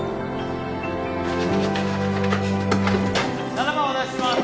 ７番お出しします